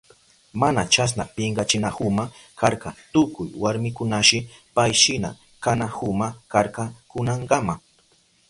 Mana chasna pinkachinahuma karka tukuy warmikunashi payshina kanahuma karka kunankama.